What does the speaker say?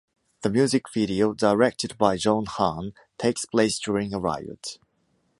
The music video, directed by Joe Hahn, takes place during a riot.